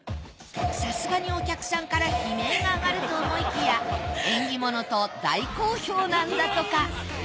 さすがにお客さんから悲鳴が上がると思いきや縁起物と大好評なんだとか。